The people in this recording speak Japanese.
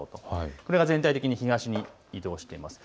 これが全体的に東に移動しています。